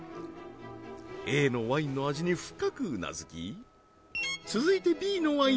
Ａのワインの味に深くうなずき続いてＢのワイン